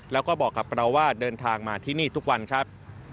แล้วก็บอกกับเราว่าเดินทางมาที่นี่ทุกวันครับ